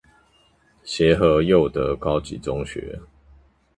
協和祐德高級中學